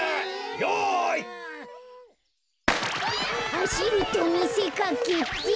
はしるとみせかけて。